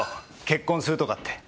結婚するとかって。